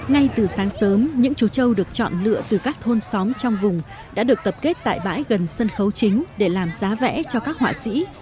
ngay từ sáng sớm những chú châu được chọn lựa từ các thôn xóm trong vùng đã được tập kết tại bãi gần sân khấu chính để làm giá vẽ cho các họa sĩ